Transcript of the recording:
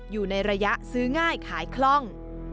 อยู่ในระยะซื้อง่ายขายคล่อง